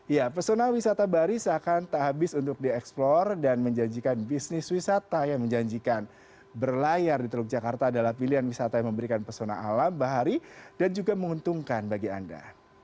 ya pesona wisata bahari seakan tak habis untuk dieksplor dan menjanjikan bisnis wisata yang menjanjikan berlayar di teluk jakarta adalah pilihan wisata yang memberikan pesona alam bahari dan juga menguntungkan bagi anda